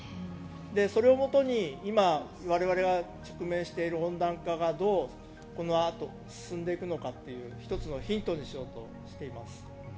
それをもとに今、我々が直面している温暖化がどうこのあと進んでいくのかという１つのヒントにしようとしています。